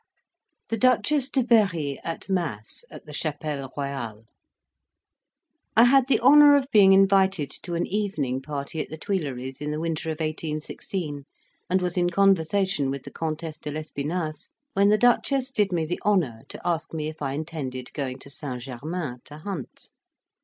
THE DUCHESS DE BERRI AT MASS AT THE CHAPELLE ROYALE I had the honour of being invited to an evening party at the Tuileries in the winter of 1816, and was in conversation with the Countess de l'Espinasse, when the Duchess did me the honour to ask me if I intended going to St. Germain to hunt.